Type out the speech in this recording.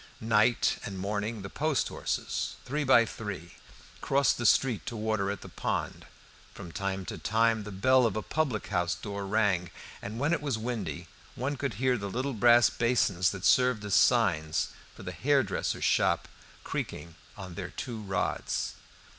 Night and morning the post horses, three by three, crossed the street to water at the pond. From time to time the bell of a public house door rang, and when it was windy one could hear the little brass basins that served as signs for the hairdresser's shop creaking on their two rods.